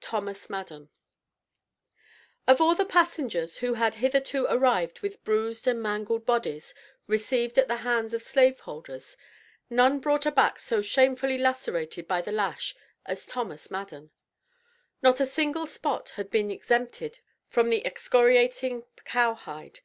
THOMAS MADDEN. Of all the passengers who had hitherto arrived with bruised and mangled bodies received at the hands of slave holders, none brought a back so shamefully lacerated by the lash as Thomas Madden. Not a single spot had been exempted from the excoriating cow hide.